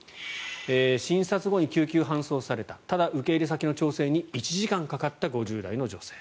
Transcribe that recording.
診察後に救急搬送されたただ、受け入れ先の調整に１時間かかった５０代の女性。